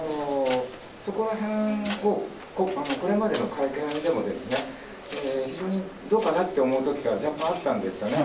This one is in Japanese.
そこらへんを、これまでの会見でも非常にどうかなって思うときが若干あったんですよね。